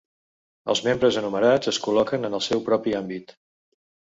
El membres enumerats es col·loquen en el seu propi àmbit.